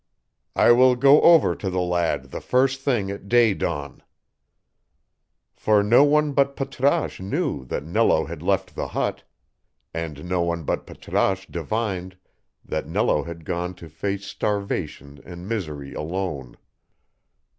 I will go over to the lad the first thing at day dawn." For no one but Patrasche knew that Nello had left the hut, and no one but Patrasche divined that Nello had gone to face starvation and misery alone.